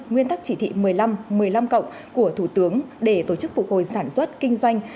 nguyên tắc chỉ thị một mươi năm một mươi năm cộng của thủ tướng để tổ chức phục hồi sản xuất kinh doanh